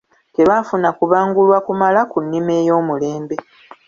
Tebaafuna kubangulwa kumala ku nnima ey’omulembe.